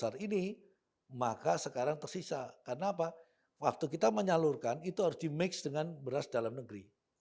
pasar ini maka sekarang tersisa karena apa waktu kita menyalurkan itu harus di mix dengan beras dalam negeri